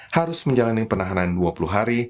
harus menjalani penahanan dua puluh hari